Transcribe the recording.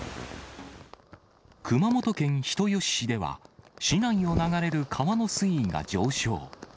熊本県人吉市では、市内を流れる川の水位が上昇。